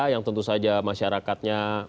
yang tentu saja masyarakatnya